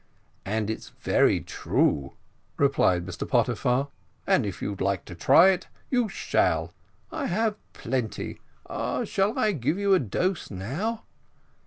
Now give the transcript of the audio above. "And it's very true," replied Mr Pottyfar, "and if you'd like to try it you shall I have plenty shall I give you a dose now?"